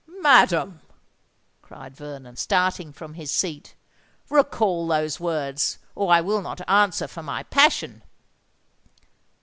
"Madam," cried Vernon, starting from his seat, "recall those words—or I will not answer for my passion!"